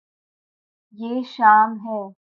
یے شام ہے